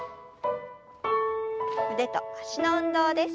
腕と脚の運動です。